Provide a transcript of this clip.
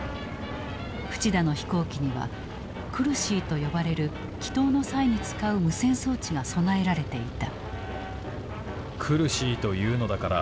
淵田の飛行機にはクルシーと呼ばれる帰投の際に使う無線装置が備えられていた。